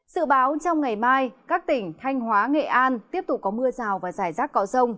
sự báo trong ngày mai các tỉnh thanh hóa nghệ an tiếp tục có mưa rào và rải rác có rông